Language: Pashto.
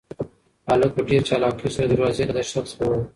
هلک په ډېر چالاکۍ سره د دروازې له درشل څخه ووت.